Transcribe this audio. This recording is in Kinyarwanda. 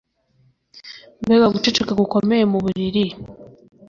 Mbega guceceka gukomeye mu buriri